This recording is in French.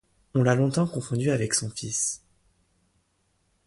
On l'a longtemps confondu avec son fils.